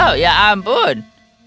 oh ya ampun